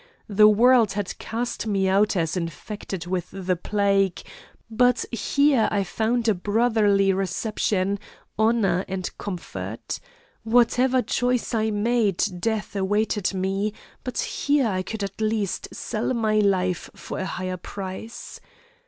The world had cast me out as infected with the plague, but here I found a brotherly reception, honour, and comfort. Whatever choice I made death awaited me, but here I could at least sell my life for a higher price.